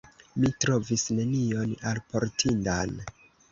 Mi trovis nenion alportindan.